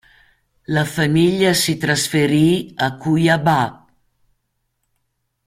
La famiglia si trasferì a Cuiabá.